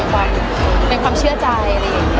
เป็นความเชื่อใจ